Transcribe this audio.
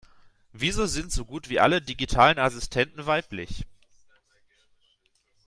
Wieso sind so gut wie alle digitalen Assistenten weiblich?